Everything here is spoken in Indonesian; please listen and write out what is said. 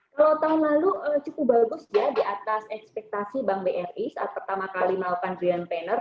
kalau tahun lalu cukup bagus ya di atas ekspektasi bank bri saat pertama kali melakukan brilliantpreneur